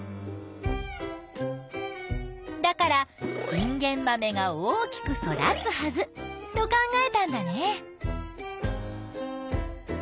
だからインゲンマメが大きく育つはずと考えたんだね。